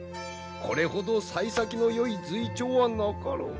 これほどさい先のよいずい兆はなかろう。